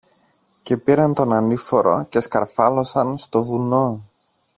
Και πήραν τον ανήφορο και σκαρφάλωσαν στο βουνό.